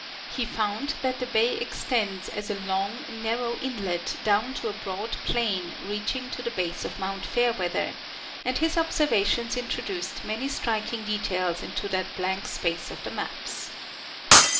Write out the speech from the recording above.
He found that the bay extends as a long, narrow inlet down to a broad plain reaching to the base of mount Fair weather, and his observations introduced many striking details into that blank space of the maps.